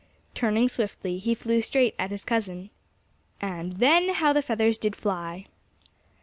Turning swiftly, he flew straight at his cousin. And then how the feathers did fly!